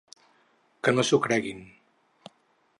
Que no s’ho creguin.